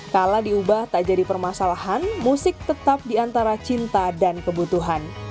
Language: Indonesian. kalau diubah tak jadi permasalahan musik tetap di antara cinta dan kebutuhan